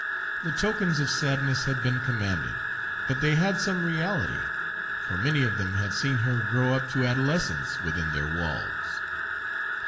The tokens of sadness had been commanded, but they had some reality, for many of them had seen her grow up to adolescence within their walls.